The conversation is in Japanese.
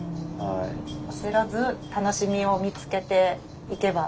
あせらず楽しみを見つけていけば。